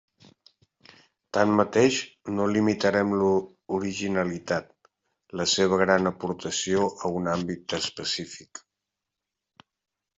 Tanmateix, no limitarem l'originalitat, la seva gran aportació, a un àmbit específic.